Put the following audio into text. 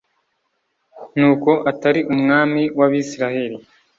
ni uko atari Umwami w'abisiraeli